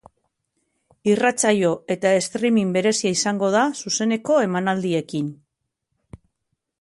Irratsaio eta streaming berezia izango da, zuzeneko emanaldiekin.